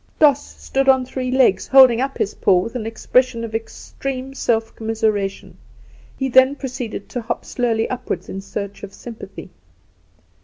Doss stood on three legs, holding up the paw with an expression of extreme self commiseration; he then proceeded to hop slowly upward in search of sympathy.